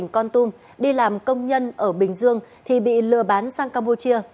con tum đi làm công nhân ở bình dương thì bị lừa bán sang campuchia